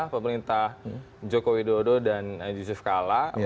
pemerintah joko widodo dan yusuf kalla nawacita ya